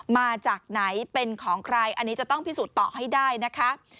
มาจากไหนเป็นของใครอันนี้จะต้องพิสูจน์ต่อให้ได้นะคะ